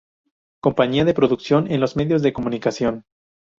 Compañía de producción en los medios de comunicación.